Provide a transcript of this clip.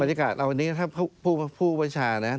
บรรยากาศเอาอันนี้ถ้าผู้ประชานะครับ